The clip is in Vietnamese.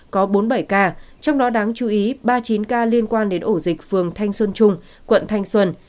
có bốn mươi bảy ca trong đó đáng chú ý ba mươi chín ca liên quan đến ổ dịch phường thanh xuân trung quận thanh xuân